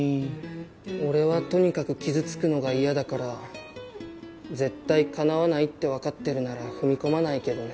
俺はとにかく傷つくのがいやだから絶対叶わないって分かってるなら踏み込まないけどね。